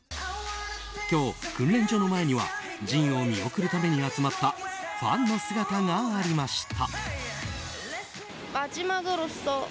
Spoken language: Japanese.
今日、訓練所の前にはＪＩＮを見送るために集まったファンの姿がありました。